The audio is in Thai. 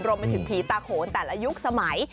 รวมมันถึงพิตาโขนทั้งแต่ละยุคสมัย